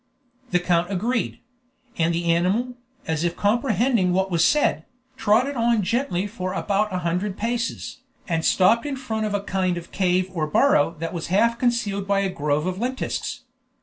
The count agreed; and the animal, as if comprehending what was said, trotted on gently for about a hundred paces, and stopped in front of a kind of cave or burrow that was half concealed by a grove of lentisks.